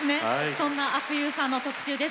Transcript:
そんな阿久悠さんの特集です。